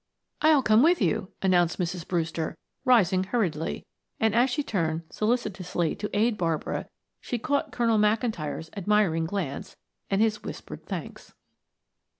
"I'll come with you," announced Mrs. Brewster, rising hurriedly; and as she turned solicitously to aid Barbara she caught Colonel McIntyre's admiring glance and his whispered thanks.